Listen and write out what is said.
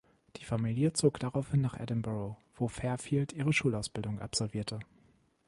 Die Familie zog daraufhin nach Edinburgh, wo Fairfield ihre Schulausbildung absolvierte.